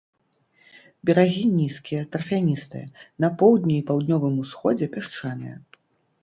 Берагі нізкія, тарфяністыя, на поўдні і паўднёвым усходзе пясчаныя.